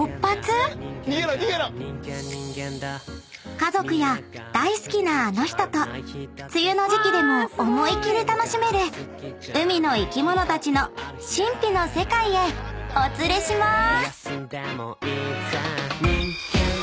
［家族や大好きなあの人と梅雨の時季でも思い切り楽しめる海の生きものたちの神秘の世界へお連れしまーす！］